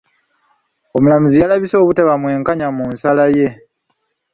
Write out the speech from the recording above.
Omulamuzi yalabise obutaba mwenkanya mu nsala ye.